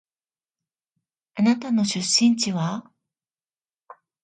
あなたの出身地は？